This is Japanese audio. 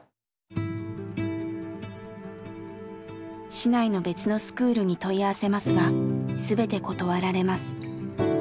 市内の別のスクールに問い合わせますが全て断られます。